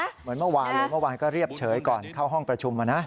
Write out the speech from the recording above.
เหมือนเมื่อวานเลยเมื่อวานก็เรียบเฉยก่อนเข้าห้องประชุม